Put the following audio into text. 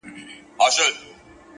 زحمت د هیلو ریښې پیاوړې کوي.!